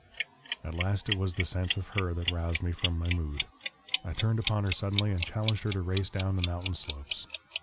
"At last it was the sense of her that roused me from my mood. I turned upon her suddenly and challenged her to race down the mountain slopes.